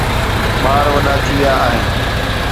ٻار وڏا ٿي ويا آهن.